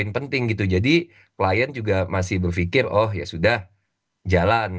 yang penting gitu jadi klien juga masih berpikir oh ya sudah jalan